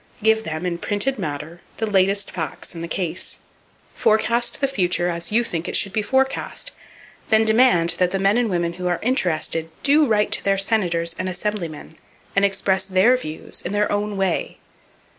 Give them, in printed matter, the latest facts in the case, forecast the future as you think it should be forecast, then demand that the men and women who are interested do write to their senators and assemblyman, and express their views, in their own way!